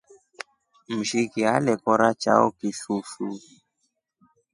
Mshiki alekora choa kisusu.